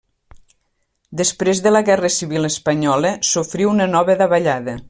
Després de la Guerra Civil espanyola sofrí una nova davallada.